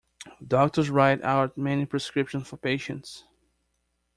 Doctors write out many prescriptions for patients